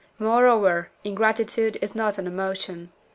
Moreover, ingratitude is not an emotion.